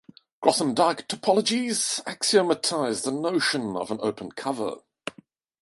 Grothendieck topologies axiomatize the notion of an open cover.